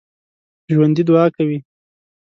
ژوندي دعا کوي